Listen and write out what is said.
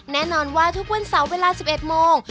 แน่นอนว่าทุกวันเสาร์เวลา๑๑โมง